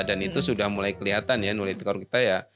dan itu sudah mulai kelihatan ya nilai tukar kita ya